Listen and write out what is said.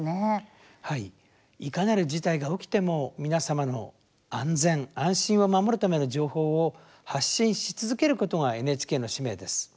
いかなる事態が起きても皆様の安全・安心を守るための情報を発信し続けることがＮＨＫの使命です。